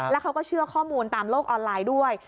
แล้วเขาก็เชื่อข้อมูลตามโลกออนไลน์ด้วย